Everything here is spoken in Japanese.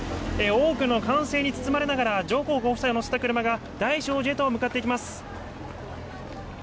多くの歓声に包まれながら、上皇ご夫妻を乗せた車が大聖寺へと向かっていきます。